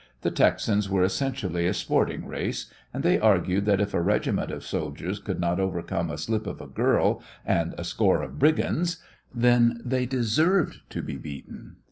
The Texans were essentially a sporting race, and they argued that if a regiment of soldiers could not overcome a slip of a girl and a score of brigands then they deserved to be beaten.